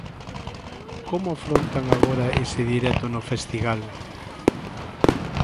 Como afrontan agora ese directo no Festigal?